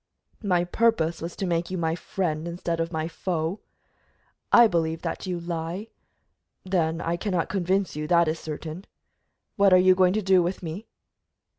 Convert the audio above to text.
"My purpose was to make you my friend instead of my foe." "I believe that you lie " "Then I cannot convince you, that is certain. What are you going to do with me?"